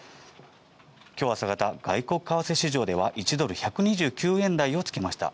今日朝方、外国為替市場では１ドル＝１２９円台をつけました。